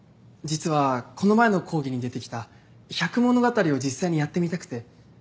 実はこの前の講義に出てきた百物語を実際にやってみたくて。